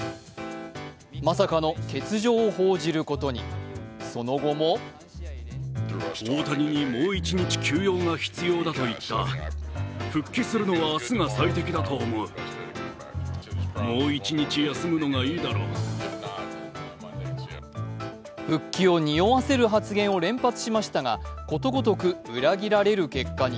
まさかの欠場を報じることに、その後も復帰をにおわせる発言を連発しましたがことごとく裏切られる結果に。